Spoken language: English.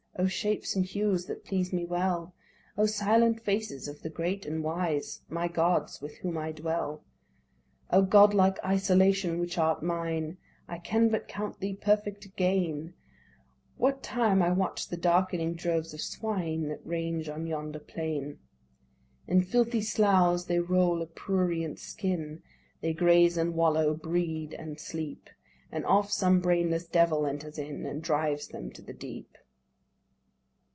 O shapes and hues that please me well! O silent faces of the Great and Wise, My Gods, with whom I dwell! "O God like isolation which art mine, I can but count thee perfect gain, What time I watch the darkening droves of swine That range on yonder plain. "In filthy sloughs they roll a prurient skin, They graze and wallow, breed and sleep; And oft some brainless devil enters in, And drives them to the deep."